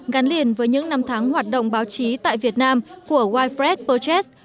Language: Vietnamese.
gắn liền với những năm tháng hoạt động báo chí tại việt nam của white fred bơ chít